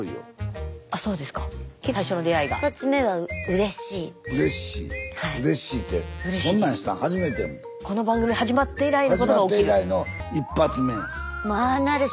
うれしいてこの番組始まって以来のことが起きる？